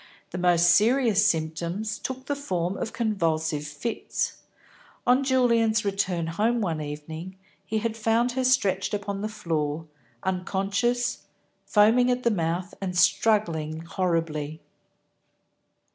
The most serious symptoms took the form of convulsive fits. On Julian's return home one evening, he had found her stretched upon the floor, unconscious, foaming at the mouth, and struggling horribly.